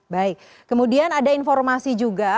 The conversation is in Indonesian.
baik kemudian ada informasi juga